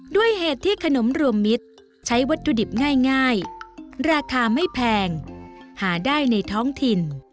ด้วยเหตุที่ขนมรวมมิตรใช้วัตถุดิบง่ายราคาไม่แพงหาได้ในท้องถิ่น